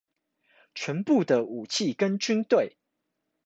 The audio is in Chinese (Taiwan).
全部的武器跟軍隊